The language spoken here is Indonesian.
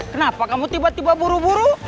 kenapa kamu tiba tiba buru buru